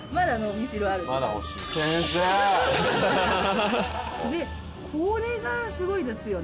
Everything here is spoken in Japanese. まだ欲しいでこれがすごいですよね